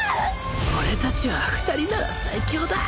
「俺たちは２人なら最強だ」